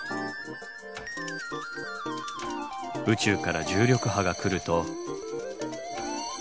宇宙から重力波が来ると。